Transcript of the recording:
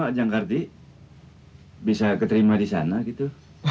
eh kamu jangkardi bisa keterima di sana gitu